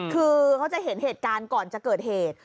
คือเขาจะเห็นเหตุการณ์ก่อนจะเกิดเหตุ